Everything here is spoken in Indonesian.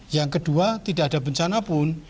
yang kedua tidak ada bencana pun